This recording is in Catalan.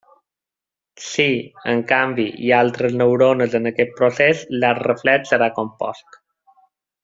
Si, en canvi, hi ha altres neurones en aquest procés, l'arc reflex serà compost.